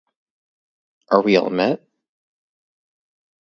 Are we all met?